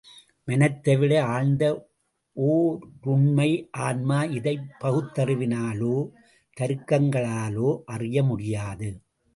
மனத்தைவிட ஆழ்ந்த ஒருண்மை ஆன்மா இதைப் பகுத்தறிவினாலோ, தருக்கங்களாலோ அறிய முடியாது.